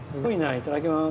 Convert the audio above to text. いただきます。